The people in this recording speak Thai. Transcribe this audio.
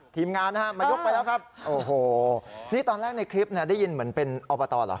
ทีมงานนะฮะมายกไปแล้วครับโอ้โหนี่ตอนแรกในคลิปเนี่ยได้ยินเหมือนเป็นอบตเหรอ